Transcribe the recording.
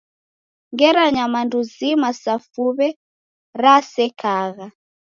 Ngera nyamandu zima sa fuw'e rasekagha?